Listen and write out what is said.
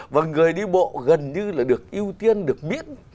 và người đi bộ gần như là được ưu tiên được miễn